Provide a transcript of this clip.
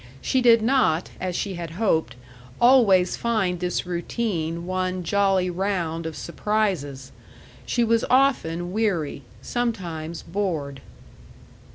She did not, as she had hoped, always find this routine one jolly round of surprises. She was often weary, sometimes bored.